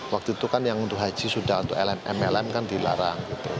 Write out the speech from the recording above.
waktu itu kan yang untuk haji sudah untuk mlm kan dilarang